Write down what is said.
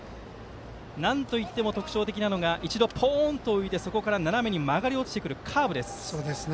なんといっても特徴的なのが一度、ポーンと浮いてそこから斜めに曲がり落ちてくるカーブです。